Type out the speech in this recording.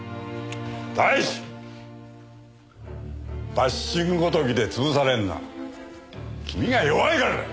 第一バッシングごときで潰されるのは君が弱いからだ！